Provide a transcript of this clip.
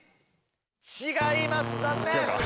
違います残念。